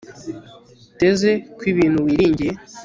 teze ko ibintu wiringiye